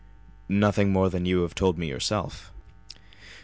"Nothing more than you have told me yourself."